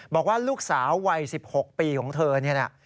บอกว่าลูกสาววัย๑๖ปีของเธอนี่นะ